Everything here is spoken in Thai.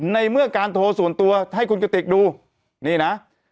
ในเมื่อการโทรส่วนตัวให้คุณกติกดูนี่นะ